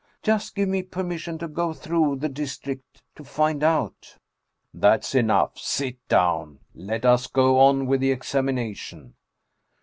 Just give me permission to go through the district to find out." " That's enough ! Sit down. Let us go on with the ex amination."